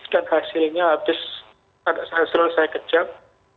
dan hasilnya habis anak saya selalu kejang